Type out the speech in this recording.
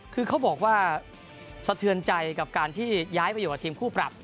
คือเขาบอกว่าสะเทือนใจกับการที่ย้ายไปอยู่กับทีมคู่ปรับ